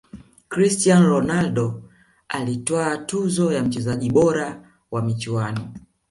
cristiano ronaldo alitwaa tuzo ya mchezaji bora wa michuano